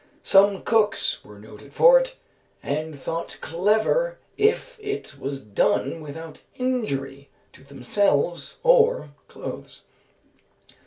Some cooks were noted for it, and thought clever if it was done without injury to themselves or clothes.